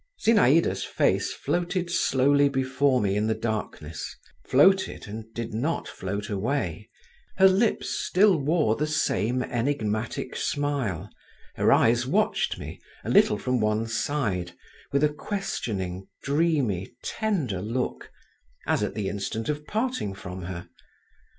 Zinaïda's face floated slowly before me in the darkness—floated, and did not float away; her lips still wore the same enigmatic smile, her eyes watched me, a little from one side, with a questioning, dreamy, tender look … as at the instant of parting from her.